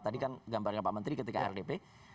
tadi kan gambarnya pak menteri ketika rdp